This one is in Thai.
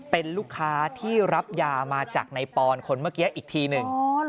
เป็นลูกค้าที่รับยามาจากในปอนคนเมื่อกี้อีกทีหนึ่ง